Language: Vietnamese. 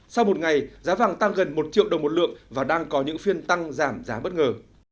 sau một ngày giá vàng tăng gần một triệu đồng một lượng và đang có những phiên tăng giảm giá bất ngờ